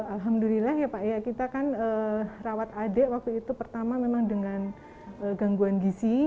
alhamdulillah ya pak ya kita kan rawat adik waktu itu pertama memang dengan gangguan gisi